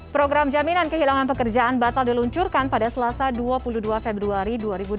program jaminan kehilangan pekerjaan batal diluncurkan pada selasa dua puluh dua februari dua ribu dua puluh